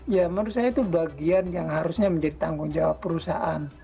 ya menurut saya itu bagian yang harusnya menjadi tanggung jawab perusahaan